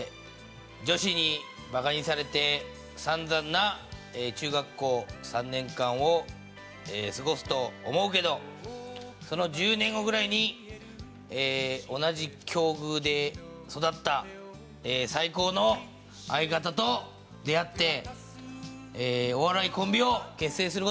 女子にバカにされて散々な中学校３年間を過ごすと思うけどその１０年後ぐらいに同じ境遇で育った最高の相方と出会ってお笑いコンビを結成する事になる。